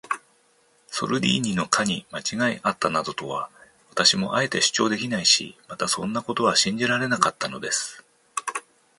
ソルディーニの課にまちがいがあったなどとは、私もあえて主張できないし、またそんなことは信じられなかったのです。